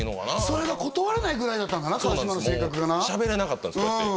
それが断れないぐらいだったのか川島の性格がなしゃべれなかったんですよ